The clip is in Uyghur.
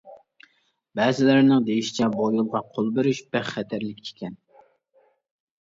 بەزىلەرنىڭ دېيىشىچە، بۇ يولغا قول بېرىش بەك خەتەرلىك ئىكەن.